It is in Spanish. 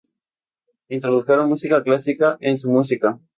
Introdujeron música clásica en su música.